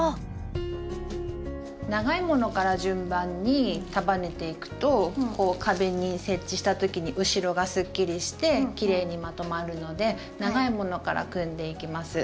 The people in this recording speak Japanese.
長いものから順番に束ねていくとこう壁に設置した時に後ろがすっきりしてきれいにまとまるので長いものから組んでいきます。